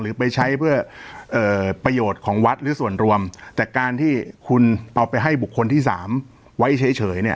ไปใช้เพื่อเอ่อประโยชน์ของวัดหรือส่วนรวมแต่การที่คุณเอาไปให้บุคคลที่สามไว้เฉยเนี่ย